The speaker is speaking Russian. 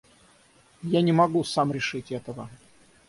Я не могу сам решить этого.